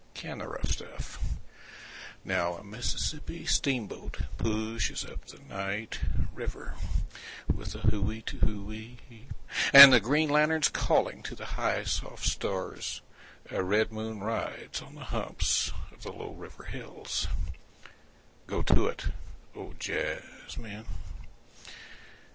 Can the rough stuff … now a Mississippi steamboat pushes up the night river with a hoo hoo hoo oo … and the green lanterns calling to the high soft stars … a red moon rides on the humps of the low river hills … go to it, O jazzmen.